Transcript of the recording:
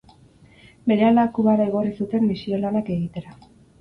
Berehala, Kubara igorri zuten misio lanak egitera.